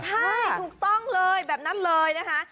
ใช่ถูกต้องเลยแบบนั้นเลยนะคะ